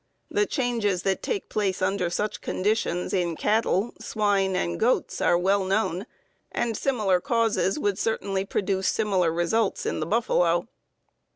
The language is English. The changes that take place under such conditions in cattle, swine, and goats are well known, and similar causes would certainly produce similar results in the buffalo.